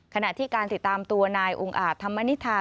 ขณะที่การติดตามตัวนายองค์อาจธรรมนิษฐา